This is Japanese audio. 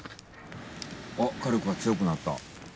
あっ火力が強くなった。